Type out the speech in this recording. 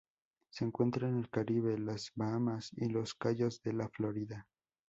Se encuentra en el Caribe, las Bahamas y los cayos de la Florida.